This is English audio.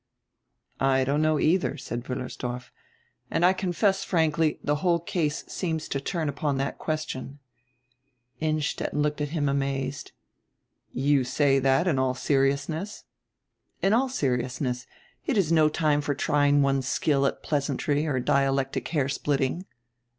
"I don't know, either," said Wiillersdorf. "And I con fess frankly, the whole case seems to turn upon that question." Innstetten looked at him amazed. "You say that in all seriousness?" "In all seriousness. It is no time for trying one's skill at pleasantry or dialectic hair splitting."